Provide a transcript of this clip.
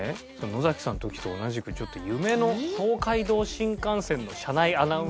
のざきさんの時と同じくちょっと夢の東海道新幹線の車内アナウンス。